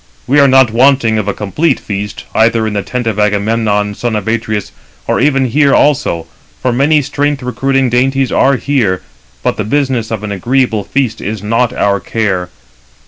We are not wanting of a complete feast, either in the tent of Agamemnon, son of Atreus, or even here also, for many strength recruiting dainties are here; but the business of an agreeable feast is not our care.